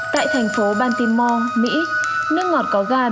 tại thành phố baltimore mỹ nước ngọt có ga bị cấm trong trường học bệnh viện